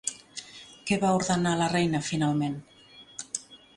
Què va ordenar la reina finalment?